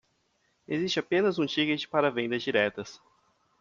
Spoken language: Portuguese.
Existe apenas um ticket para vendas diretas